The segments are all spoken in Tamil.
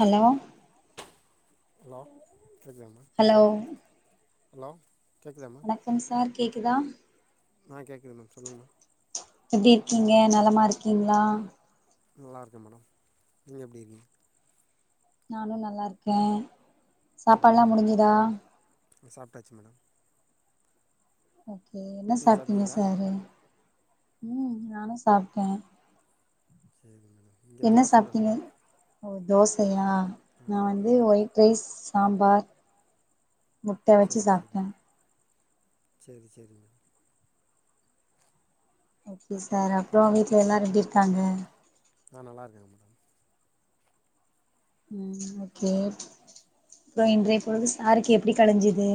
ஹலோ ஹலோ கேக்குதாம்மா ஹலோ ஹலோ கேக்குதா அப்ம் சார் கேக்குதா ஆ கேட்குது மேம் சொல்லுங் மேம் எப்டி இருக்கீங்க நலமா இருக்கீங்ளா நல்லா இருக்க மேடம் நீங்க எப்டி இருக்கீங் நானூ நல்லா இருக்க சேரி மேடம் சாப்ட்டாச்சா மேடம் ஓகே என்ன நீங்கள் சாப்ட்டீங்க சாப்பிட்டீங்களா சாரு ம் நானூ சாப்ட்ட சேரி மேடம் இங்கே என்ன தோசை தான் சாப்ட்டீங்க மேம் ஓ தோசையா நா ஆமாம் வந்து மேடம் ஒயிட் ரைஸ் சாம்பார் முட்ட வச்சு சேரி சேரி சாப்ட்டே மேடோ சேரி சேரி மேடோ ஓகே சார் அப்றோ வீட்ல எல்லாரு எப்டி இருக்காங்க ஆ நல்லாருக்காங்க மேடம் ம் ஓகே ஓகே அப்றோ இன்றைய பொழுது சாருக்கு எப்டி கலிஞ்சது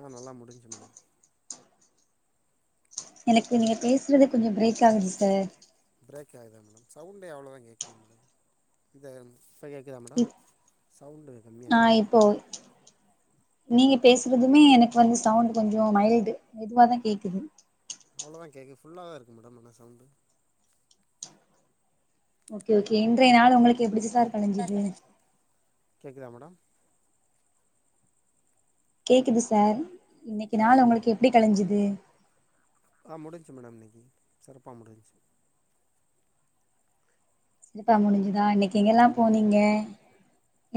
ஆ நல்லா முடிஞ்சு மேடம் எனக்கு நீங்க பேசுறது கொஞ்சோ பிரேக் ஆகுது சார் பிரேக் ஆகுதா மேடம் சவ்ண்டே அவ்ளோதா கேகுது மேடம் இதயம் சரியாக்கீதா மேடம் இப் சவுண்டு கம்மியாக ஆ இருந்தது இப்போ நீங்க பேசுனுதுமே எனக்கு வந்து சவுண்ட் கொஞ்சோ மைல்டு மெதுவா தா கேக்குது அவளோதா கேகு ஃபுல்லா தா இருக்கு மேடம் அனா சவுண்டு ஓகே ஓகே இன்றய நாள் உங்களுக்கு எப்புடிருஞ் சார் கழிஞ்சுது சார்கென் கேக்குதா மேடம் கேக்குது சார் இன்னிக்கு ஆ நாள் சொல்லுங்கள் உங்களுக்கு மேடம் எப்படி கலைஞ்சிது ஆ முடிஞ்ச்சி மேடம் இன்னிக்கி சிறப்பா முடிஞ்சுச்சு சிறப்பா முடிஞ்சுதா இன்னிக்கி எங்கெல்லா ஆமாம் மேடம் போனீங்க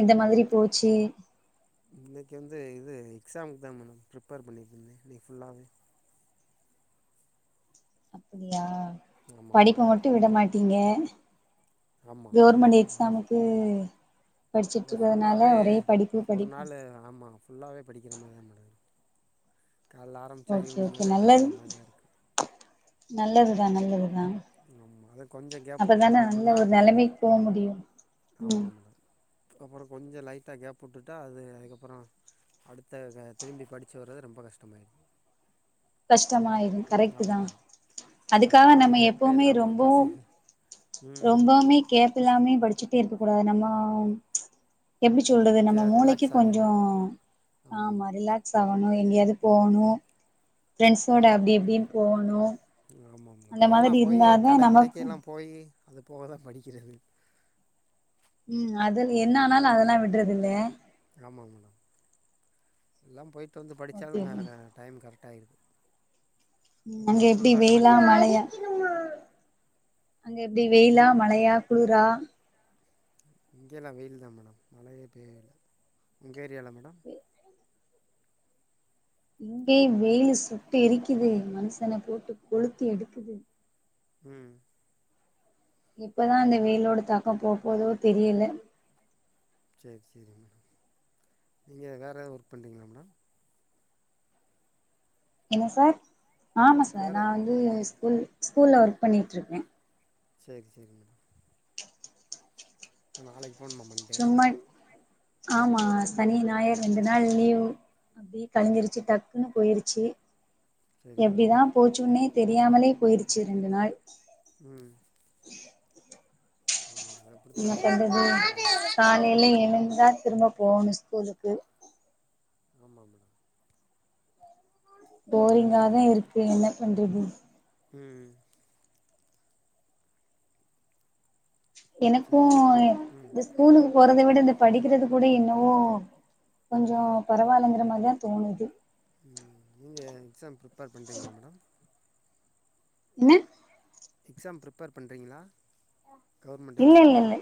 எந்த மாதிரி போச்சி இன்னிக்கி வந்து இது எக்ஸாமுக்கு தா மேடம் ப்ரிப்பேர் பண்ணிட்டிருந்தே இன்னிக்கி ஃபுல்லாவே அப்படியா ஆமா படிப்ப மேடம் மட்டு விட மாட்டீங்க ஆமா கோர்மெண்ட் அது எக்ஸாமுக்கு அதா படிச்சுட்டிருக்கறதுனால ஃபுல்லாவே ஒரே படிப்பு ஒரு படிப்பு நாள் ஆமா ஃபுல்லாவே படிக்கிற மாரிதா மேடோ இருக் கால்ல ஆரம்பிச்சா ஓகே ஈவ்னிங் ஓகே வர நல்லது படிக்கிற மாரிதா இருக்கு நல்லதுதா நல்லதுதா ஆமா அத கொஞ்சோ கேப் விட்டுட்டோ அப்பதான நல்ல அப்பின்னா ஒரு நெலைமைக்கு போ முடியு ஆமா மேடம் அப்பறோ கொஞ்சோ லைட்டா கேப் வுட்டுட்டா அது அதுக்கப்பறோ அடுத்த அ திரும்பி படிச்சு வர்றது ரொம்ப கஷ்டமாயிருது கஷ்டமாயிடும் கரெக்டு தா ஆமா அதனால அதுக்காக தா நம்ம கேப்பே எப்பவுமே இல்லாம ரொம்பவு படிச்சு ம் ரொம்பவுமே கேப்பில்லாமே படிச்சுட்டே இருக்க கூடாது நம்மலு எப்டி சொல்றது கொஞ்சோ நம்ம மூளைக்கி ரிலாக்ஸ் ஆகணு கொஞ்சோ ஆமா ரிலாக்ஸ் ஆகணு எங்கயாவது ம் போவ்ணு ஃப்ரட்ண்ஸ்ஸோட அப்டி இப்டினு போவணு ஆமா மா அதெல்லா போயி கடை நமக்கு கிடைக்கெல்லா போயி அது போக தா படிக்கிறது ம் அது என்ன ஆனாலு ம் அதெல்லா விட்றது இல்ல ஆமாங்க மேடம் எல்லாம் போயிட்டு வந்து ஓகே படிச்சாலுங்க ஓகே க டைம் கரெக்ட் ஆயிடுது ஒரு அங்க நாள் எப்டி ஃபுல்லா வெயிலா கணக்கு வந்துருது மழையா அங்க எப்டி வெயிலா மழையா குளுரா இங்கேல்லா வெயில் தா மேடம் மழையே பெய்யல உங்க ஏரியால மேடம் ஏ வெயிலு சுட்டு எரிக்குது மனுஷன போட்டு கொளுத்தி எடுக்குது ம் எப்பதா அந்த வெயிலோட தாக்கம் போப்போதோ தெரியல செர் சேரீங்க மேடம் நீங்க வேற எதாவது ஒர்க் பண்றீங்களா மேடம் என்ன சார் ஆமா சார் வேறு நா வந்து ஸ்கூல் ஸ்கூல்ல ஒர்க் பண்ணிட்டுருக்கே செரி செரி மேடம் இப்ப நாளைக்கு போணுமா மண்டே ஆமாங்க சனி ஞாயிறு ரெண்டு நாள் லீவு அப்டியே கலஞ்சிருச்சி டக்குன்னு போயிருச்சி சரி மேடம் எப்டிதா போச்சுன்னே தெரியாமலே போயிருச்சி ரெண்டு நாள் ம் ஆமா அது அப்டிதா டக்குன்னு பேயிட்து காலயில எழுந்தா திரும்ப போகணு ஸ்கூலுக்கு ஆமாம் மேடம் போரிங்ஹா தா இருக்கு என்ன பண்றது ம் எனக்கு சரிங்க ம் இந்த ஸ்கூலுக்கு போற விட இந்த படிக்கிறது கூட என்னவோ கொஞ்சோ பரவால்லங்கிற மாதிரி தா தோணுது ம் நீங்க எக்ஸாம் ப்ரிப்பேர் பண்றீங்களா மேடம் என்ன எக்ஸாம் ப்ரிப்பேர் பண்றீங்களா இல்ல இல்ல இல்ல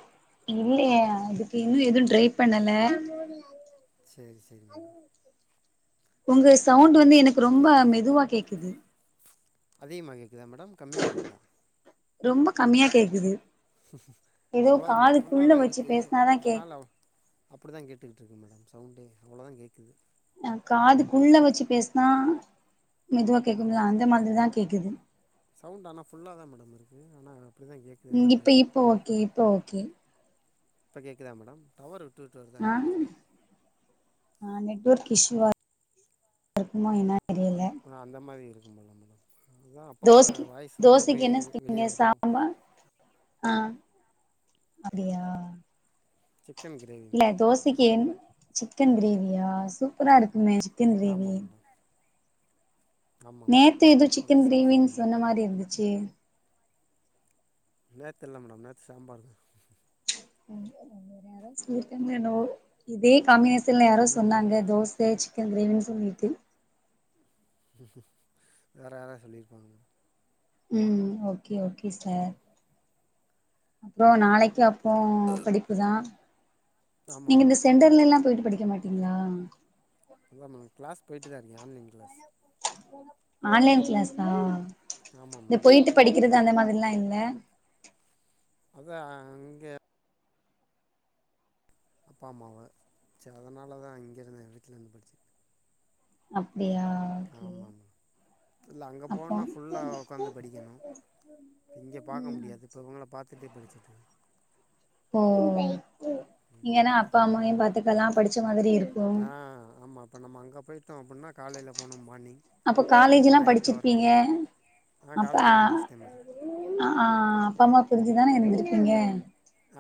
இல்லயே அதுக்கு இன்னு எது டிரைப் செரி செரி மேடம் உங்க சவுண்ட் வந்து எனக்கு ரொம்ப மெதுவா கேக்குது அதிகமா கேக்குதா மேடம் கம்மியா கேக்குதா ரொம்ப கம்மியா கேக்குது ஏதோ அவ்ளோ தா மேடம் ஃபுல்லா காதுக்குள்ள தா வச்சு இருக்கு பேசினாதா கே ஆனாலு அவ அப்புடி தா கேட்டுக்கிட்டருக்கு மேடம் சவுண்டே அவ்ளோதா கேக்குது அ காதுக்குள்ள வெச்சு பேஸ்னா மெதுவா கேக்குமுல்ல அந்த மாதிரி தா கேக்குது சவுண்ட ஆனா ஃபுல்லா தா மேடம் இருக்கு ஆனா அப்டிதா கேக் இங் இப் இப்ப ஓகே இப்ப ஓக்கே இப்ப கேக்குதா மேடம் டவரு ஆ ஹ் அ நெட்வொர்க் இஸ்யூவா இருக்குமோ என்னா தெரியல ம் அந்த மாதிரி இருக்கும் போல மேடம் அதுதா அப்பப்ப தோசைக்கு வாய்ஸு உள்ளே தோசைக்கு போயி என்ன வெளியே செஞ்சீங்க வருதோ சாம்பார் ஆ அப்டியா சிக்கன் கிரேவி இல்ல மேடம். தோசைக்கு என் சிக்கன் கிரேவியா சூப்பரா இருக்குமே சிக்கன் கிரேவி ஆமாம் மேடம் ஆமாம் மேடம் நேத்து எதோ சிக்கன் அதான் சாப்பிட்டேன் கிரேவின்னு சொன்ன நேத்து மாரி இருந்துச்சே நேத்து இல்லா மேடம் நேத்து சாம்பாரு தா யாரோ சொல்லிருக்காங்களோ என்னவோ இதே காம்பினேஷன்ல யாரோ ம் சொன்னாங்க தோஸ் ச சிக்கன் கிரேவின் சொல்லிட்டு வேற யாராது சொல்லியிருப்பாங்க மேடம் ம் ஓகே ஓகே சார் அப்றோ நாளைக்கு அப்போ படிப்புதா ஆமாம் நீங்க இந்த மேடம் சென்டர் எல்லா போயிட்டு படிக்க மாட்டீங்ளா அதாமா கிளாஸ் போயிட்டுதான் இருக்க ஆன்லைன் கிளாஸ் ஆன்லைன் கிளாஸ்தா ஆமாம் இந்த மேடம் போயிட்டு படிக்கறது அந்த மாதிரில்லா இல்ல அதா இங்க அப்பா அம்மாவ சே அதனாலதா இங்கிருந்தே வீட்லந்து படிச்சு அப்டியா ஓகே ஆமா மேம் இல்ல அங்க அப்போ போனா ஃபுல்லா உக்காந்து படிக்கணு இப்ப இங்க பாக்க ம் முடியாது இப்ப இவுங்கள பாத்துட்டே படிச்சிட்டுருக்க ஓ இங்கனா அப்பா அம்மாவையும் பாத்துக்கலா படிச்ச மாதிரி இரு ஆ ஆமா இப்ப நம்ம அங்க போயிட்டோ அப்டினா காலைல போனோம்பாண்ணி அப்போ காலேஜ்ல்லா படிச்சிருப்பீங்க அப்ப காலேஜெலாம் ஆ முடிச்சிட்டேன் மேடம் அப்பா அம்மா பிரிஞ்சுதானே இருந்திருப்பீங்க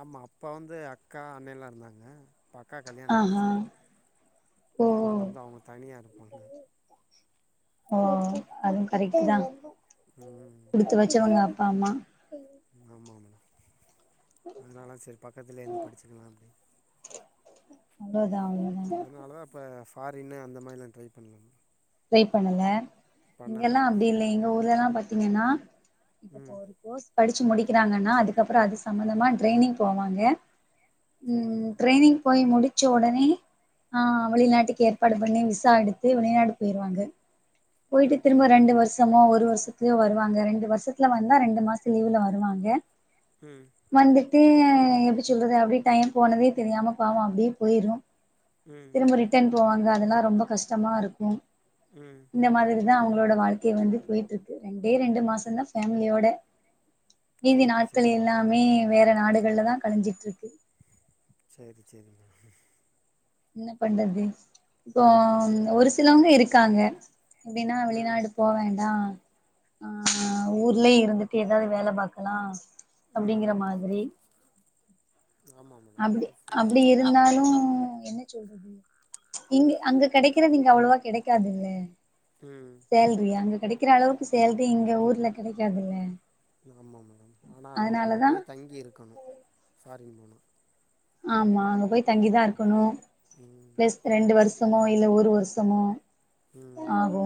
ஆமா அப்ப வந்து அக்கா அண்ணயல்லா இருந்தாங்க இப்போ அக்காக்கு கல்யாணோ ஆஹா ஆயிருச்சு ஓ அதனால வந்து அவுங்க தனியா இருப்பாங்க ஓ அதுவும் கரெக்ட்டுதா ம் குடுத்து வெச்சவங்க அப்பா அம்மா ஆமா மேடம் அதனாலதா சரி பக்கத்தில இருந்தே படிச்சக்கலா அப்டின் அவ்ளோதா அவங் அதனாலதா இப்போ ஃபாரின்னு அந்த மாரில்லா ட்ரை பண்ணல ட்ரை பண்ணல இங்கெல்லா அப்டி இல்ல எங்க ஊர்ல எல்லா பாத்தீங்கன்னா இப்ப ம் ஒரு கோர்ஸ் படிச்சு முடிக்கறாங்கன்னா அதுக்கப்றோ அது சம்பந்தமா ட்ரெய்னிங் போவாங்க சரி ம் மேடம் ட்ரெய்னிங் போய் முடிச்ச உடனே ஆ ம் வெளிநாட்டுக்கு ஏற்பாடு பண்ணி விசா எடுத்து வெளிநாடு போயிருவாங்க போயிட்டு திரும்ப சரி ரெண்டு மேடம் வரு மொத்தமா ஒரு வருஷத்துல வருவாங்க ரெண்டு வருஷத்துல வந்தா ரெண்டு மாசோ லீவ்ல வருவாங்க ம் வந்துட்டு எப்டி சொல்றது அப்டியே டைம் போனதே தெரியாம பாவம் அப்டி போயிரு ம் திரும்ப ரிட்டன் போவாங்க அதெல்லா ரொம்ப கஷ்டமா இருக்கு ம் இந்த மாரிதா அவுங்களோட வாழ்க்கை வந்து போயிட்டு இருக்கு ரெண்டே ரெண்டு மாசந்தா ஃபேமிலியோட மீதி சரி சரி நாட்கள் மேடம் எல்லாமே வேற நாடுகள்லதா கழிஞ்சிட்டு இருக்கு செரி செரி என்ன பண்றது இப்போ ம் ஒரு சிலவங்க இருக்காங்க எப்டினா ம் வெளிநாடு போ வேண்டா ம் இல்லயே இருந்துட்டு எதாவது வேல பாக்கலா ம் அப்டிங்கிற மாரி ஆமாம் மேடம் அப்டி அது ஃபுல்லாக அப்டி ஆ இருந்தாலு என்ன சொல்றது இங்க அங்க கெடைக்கறது இங்க அவ்ளவா கெடைக்காதில்ல ம் சேல்ரி அங்க கெடைக்கிற அளவுக்கு சேல்ரி இங்க ஊர்ல கெடைக்காதில்ல ஆமாம் மேடம் ஆனா நம்ம அங்க போய் தங்கி இருக்கணு ஃபாரின் போனா ஆமா அங்க போய் தங்கிதா ஆமாம் இருக்கணு ம் பிளஸ் ரெண்டு வருஷமோ இல்ல ஒரு வருஷமோ ம் ஆகு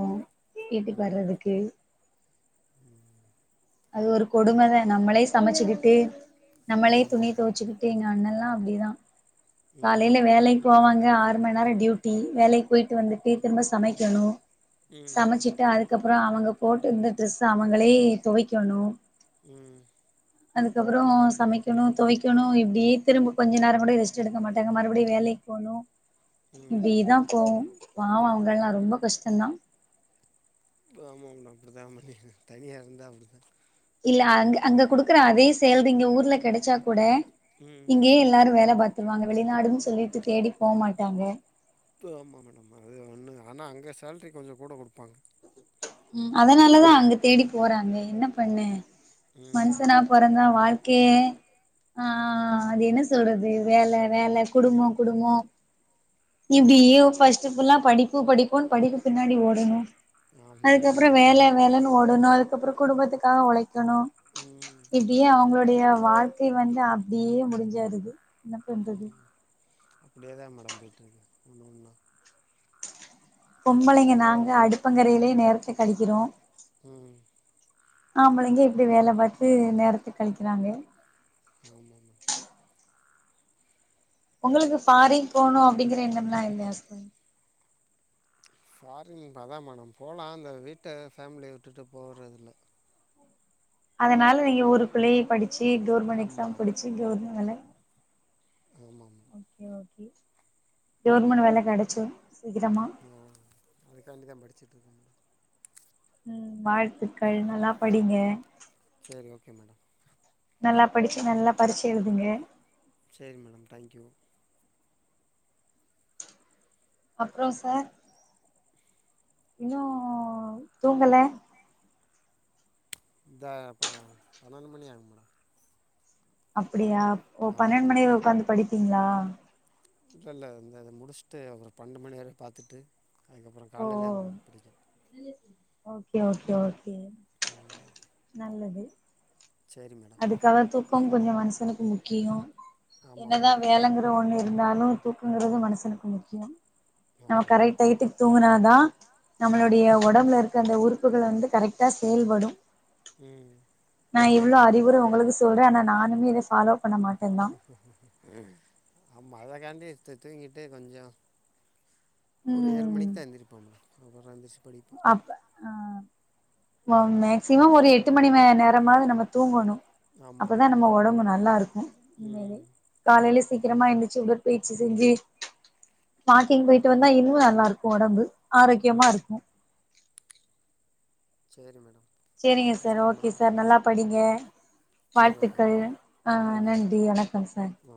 எட்டி பர்றதுக்கு ம் அது ஒரு கொடுமதே நம்மளே சமைச்சுக்கிட்டு நம்மளே துணி ஆமாம் மேடம் தொவச்சிக்கிட் எங்க அண்ணலா அப்டிதா ம் காலைல வேலைக் போவாங்க ஆறு மண் நேர டியூட்டி வேலைக்கு போய்ட்டு வந்துட்டு திரும்ப சமைக்கணு ம் சமச்சிட்டு அதுக்கப்றோ அவுங்க போட்ருந்த ட்ரெஸ்ஸ அவுங்களே தொவைக்கணு ம் அதுக்கப்றோ சமைக்கணு தொவைக்கணு இப்டி திரும்ப கொஞ்ச நேரங் கூட ரெஸ்ட் எடுக்க மாட்டாங்க மறுபடியு வேலை போனு ம் இப்டிதா போவு பாவ அவ்ங்கள்லா ரொம்ப கஷ்டந்தா ஆமா மேடம் அப்டிதா மேடம் தனியா இருந்தா அப்டிதா இல்ல அங் அங்க குடுக்குற அதே சேல்ரி இங்க ஊர்ல கெடச்சா கூட ம் இங்கயே எல்லாரு வேல பாத் துருவாங்க வெளிநாடுன் சொல்லிட்டு தேடி போ மாட்டாங்க ஆமா மேடம் அது ஒன்னு ஆனா அங்க சேல்ரி கொஞ்ச கூட குடுப்பாங்க ம் அதனாலதா அங்க தேடி போறாங்க என்ன பண்ண ம் மனுசனா பொறந்தா வாழ்க்கையே ஆ அது என்ன சொல்றது வேல வேல குடும்போ குடும்போ இப்டியே ஃபஸ்ட்டு ஃபுல்லா படிப்பு படிப்புன் படிப்பு பின்னாடி ஓடணு ஆமா அதுக்கப்றோ மேடம் வேல அதா வேலன் ஓடணு அதுக்கப்றோ குடும்பத்துக்காக ஒழைக்கணு ம் இப்டியே அவங்களுடைய வாழ்க்கை வந்து அப்டியே முடிஞ்சறது ம் அப்டியே தா மேடம் போயிட்ருக்கு ஒன்னு ஒன்னா பொம்பளைங்க நாங்க அடுப்பங்கரையிலே நேரத்த கழிக்கிறோ ம் ஆம்பளைங்க இப்டி வேல பாத்து நேரத்த கழிக்கிறாங்க ஆமா மேடம் ஒங்களுக்கு ஃபாரின் போணு அப்டிங்கிற எண்ணம்லா இல்லயா சார் ஃபாரின் இந்த அதா மேடம் போலா இந்த வீட்ட ஃபேம்லிய விட்டுட்டு போறதில்ல அதனால நீங்க ஊருக்குள்ளயே படிச்சு கவுர்மெண்ட் ஆமா எக்ஸாம் படிச்சு கவுர்மெண்ட் வேல ஆமா மேட ஓகே ஓகே கவர்மெண்ட் வேல கெடச்சுரு சீக்கிரமா அதுக்காண்டிதா படிச்சிட்ருக்கே மேடம் ம் வாழ்த்துக்கள் நல்லா படிங்க சேரி ஓகே மேடம் நல்லா படிச்சு நல்லா பறிச்ச எழுதுங்க சேரி மேடம் தேங்க் யூ அப்றோ சார் இன்னு தூங்கல இந்தா பன்ன பன்னெண்டு மணி ஆகு மேடம் அப்டியா ஓ ஆமாம் பன்னெண்டு மணி மேடம் வரை ஒக்காந்து படிப்பீங்ளா இல்ல இல்ல இந்த இத முடிச்ட்டு ஒரு பன்னெண்டு மணி வரை பாத்துட்டு அதுக்கப்பற ஓ கால்லதாங் படிக்கணு ஓகே ஓகே ஓகே ம் நல்லது சேரி மேடம் கன் தூக்கம் கொஞ்ச மனுசனுக்கு முக்கியோ ஆமாம் என்னதா மேடம் வேலங்கிற ஒன்னு இருந்தாலு தூக்கங்கிறது மனசனுக்கு முக்கியோ நம்ம ஆமாம் கரெக்ட் மேடம் டயத்துக்கு தூங்குன தா நம்மளுடைய ஒடம்புலருக்க அந்த உறுப்புகள் வந்து கரெக்ட்டா செயல்படும் ம் நா இவ்ளோ ஆமாம் அறிவுர மேடம் உங்களுக்கு சொல்றே ஆனா நானுமே இத ஃபாலோ பண்ண மாட்டே தா ம் ஆமா அதக்காண்டி எஸ்டா தூங்கிட்டு கொஞ்சோ ஒரு ஏழு ம் மணிக் தா எந்திரிப்போ மேடம் அப்பறோ எந்திரிச்சி படிப்போ அப்ப அ ஓ மேக்சிமம் ஒரு எட்டு ம் மணி மே நேரமாது நம்ம தூங்கோனு ஆமாம் அப்பதா நம்ம ஒடம்பு நல்லாருக்கு உண்மையாவே ம் காலைல சீக்கிரமா எந்திரிச்சி உடற்பயிற்சி செஞ்சி வாக்கிங் போய்ட்டு வந்தா இன்னு நல்லாருக்கு ஒடம்பு ஆரோக்கியமா ம் இருக்கு சேரி மேடம் வச்சு சேரிங்க சார் வச்சிடவா ஓகே மேடம் சார் நல்லா படிங்க சரி ஓகே வாழ்த்துக்கள் மேடம் ஆ நன்றி வணக்கம் சார் ஓ